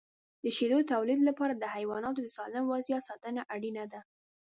د شیدو د تولید لپاره د حیواناتو د سالم وضعیت ساتنه اړینه ده.